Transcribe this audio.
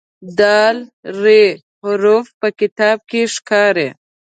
د "ر" حرف په کتاب کې ښکاري.